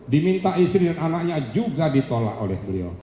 diminta istri dan anaknya juga ditolak oleh beliau